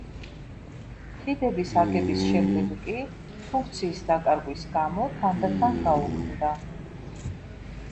ხიდების აგების შემდეგ კი ფუნქციის დაკარგვის გამო, თანდათან გაუქმდა.